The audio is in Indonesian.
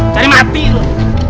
cari mati loh